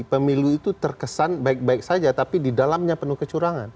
pemilu itu terkesan baik baik saja tapi di dalamnya penuh kecurangan